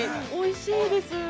おいしいです。